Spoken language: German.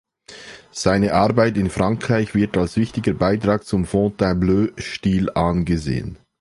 Seine Arbeit in Frankreich wird als wichtiger Beitrag zum Fontainebleau-Stil angesehen.